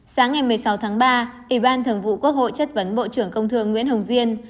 sáng ngày một mươi sáu tháng ba ủy ban thường vụ quốc hội chất vấn bộ trưởng công thương nguyễn hồng diên